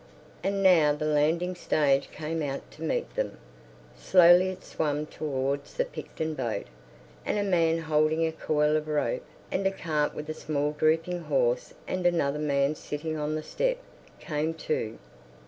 And now the landing stage came out to meet them. Slowly it swam towards the Picton boat, and a man holding a coil of rope, and a cart with a small drooping horse and another man sitting on the step, came too.